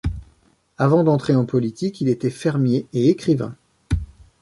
Avant d'entrer en politique il était fermier et écrivain.